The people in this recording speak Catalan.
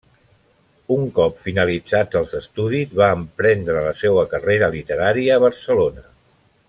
Un cop finalitzats els estudis va emprendre la seua carrera literària a Barcelona.